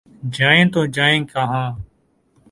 جائیں تو جائیں کہاں؟